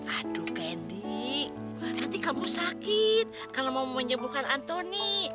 aduh gendy nanti kamu sakit kalau mau menyeburkan antoni